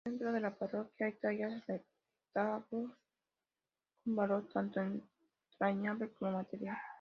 Dentro de la parroquia hay tallas y retablos con valor tanto entrañable como material.